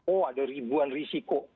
oh ada ribuan risiko